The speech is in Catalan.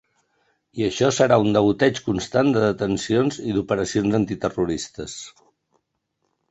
I això serà un degoteig constant de detencions i d’operacions antiterroristes.